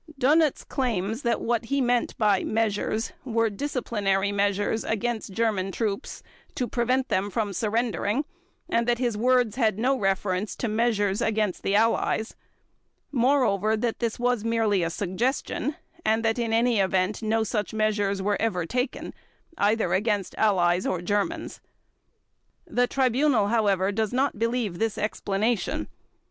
Dönitz claims that what he meant by "measures" were disciplinary measures against German troops to prevent them from surrendering, and that his words had no reference to measures against the Allies; moreover that this was merely a suggestion, and that in any event no such measures were ever taken, either against Allies or Germans. The Tribunal, however, does not believe this explanation.